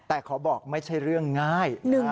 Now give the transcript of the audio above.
แต่ขอบอกไม่ใช่เรื่องง่าย